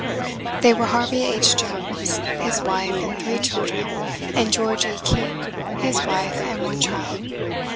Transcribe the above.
They were Harvey H. Jones, his wife, and three children, and George E. King, his wife, and one child.